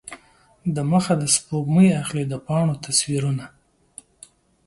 دمخه د سپوږمۍ اخلي د پاڼو تصویرونه